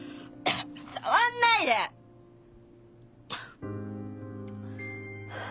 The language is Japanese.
触んないで！ハァ。